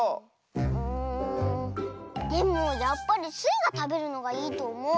うんでもやっぱりスイがたべるのがいいとおもう。